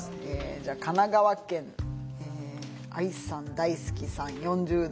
じゃあ神奈川県ＡＩさん大好きさん４０代。